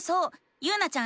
ゆうなちゃん